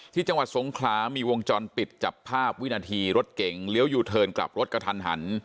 จังหวัดสงขลามีวงจรปิดจับภาพวินาทีรถเก่งเลี้ยวยูเทิร์นกลับรถกระทันหัน